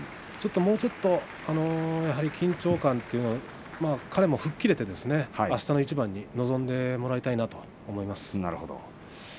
もうちょっと緊張感というか彼も吹っ切れてあしたの一番に臨んでもらいたいなと思います。